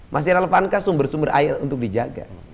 masih relevankah sumber sumber air untuk dijaga